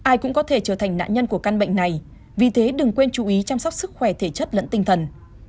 ai cũng có thể trở thành nạn nhân của căn bệnh này vì thế đừng quên chú ý chăm sóc sức khỏe thể chất lẫn tinh thần